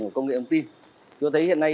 của công nghệ công ty chúng tôi thấy hiện nay